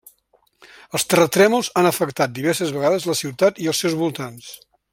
Els terratrèmols han afectat diverses vegades la ciutat i els seus voltants.